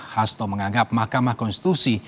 hasto menganggap mahkamah konstitusi